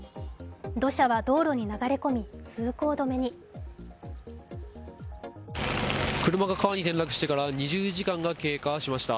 土砂は道路に流れ込み、通行止めに車が川に転落してから２０時間が経過しました。